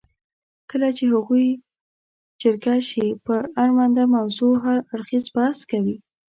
کله چې هغوی جرګه شي پر اړونده موضوع هر اړخیز بحث کوي.